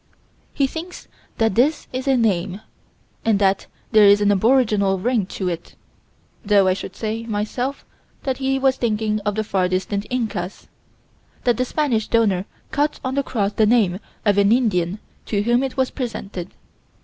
He thinks that this is a name, and that there is an aboriginal ring to it, though I should say, myself, that he was thinking of the far distant Incas: that the Spanish donor cut on the cross the name of an Indian to whom it was presented.